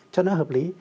cho nó hợp lý